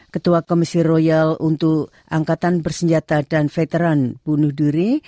ketua komisi royal untuk angkatan bersenjata dan veteran bunuh diri